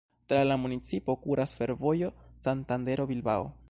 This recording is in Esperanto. Tra la municipo kuras fervojo Santandero-Bilbao.